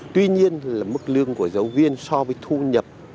tuy nhiên là mức lương của giáo viên so với thu nhập